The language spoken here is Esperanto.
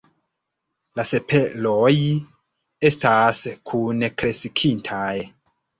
La sepaloj estas kunkreskintaj.